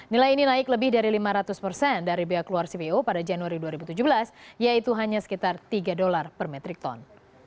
nilai ini naik lebih dari lima ratus persen dari biaya keluar cpo pada januari dua ribu tujuh belas yaitu hanya sekitar tiga dolar per metrik ton